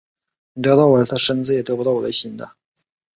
你得到我的身子也得不到我的心的